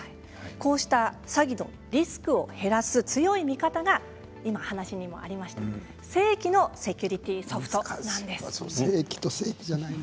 こうした詐欺とリスクを減らす強い味方が正規のセキュリティーソフトなんです。